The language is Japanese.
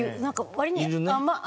割に。